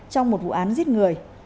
trong một vụ án giết người